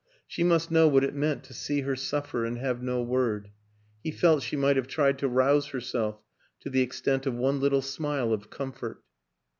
She must know what it meant to see her suffer and have no word ; he felt she might have tried to rouse herself to the extent of one little smile of comfort.